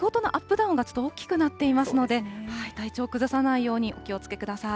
ダウンがちょっと大きくなっていますので、体調を崩さないようにお気をつけください。